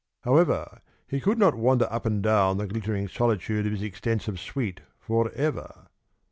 However, he could not wander up and down the glittering solitude of his extensive suite for ever.